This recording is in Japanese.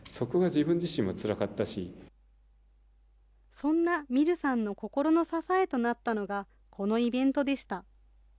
そんなｍｉｒｕさんの心の支えとなったのが、このイベントでした。